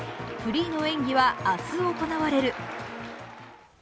フリーの演技は明日行われる。